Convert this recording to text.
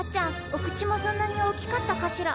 お口もそんなに大きかったかしら？